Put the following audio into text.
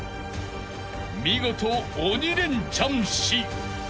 ［見事鬼レンチャンし］